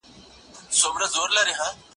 هغه وویل چې کار مهم دی؟!